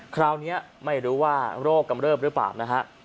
คราวนี้ไม่รู้ว่าโรคกำเริบหรือเปล่านะฮะ